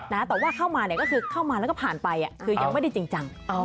แต่ว่าเข้ามาเนี่ยก็คือเข้ามาแล้วก็ผ่านไปคือยังไม่ได้จริงจัง